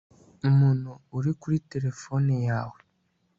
Umuntu uri kuri terefone yawe